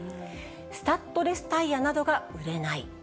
スタッドレスタイヤなどが売れない。